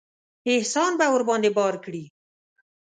احسان به ورباندې بار کړي.